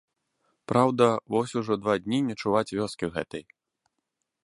Праўда, вось ужо два дні не чуваць вёскі гэтай.